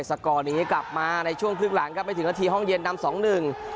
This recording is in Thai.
สกอร์นี้กลับมาในช่วงครึ่งหลังครับไม่ถึงนาทีห้องเย็นนำสองหนึ่ง